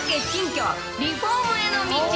新居、リフォームへの道。